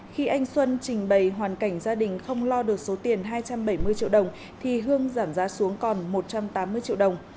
khi anh xuân trình bày hoàn cảnh gia đình không lo được số tiền hai trăm bảy mươi triệu đồng thì hương giảm giá xuống còn một trăm tám mươi triệu đồng